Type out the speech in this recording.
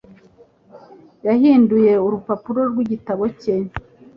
Yahinduye urupapuro rw'igitabo cye.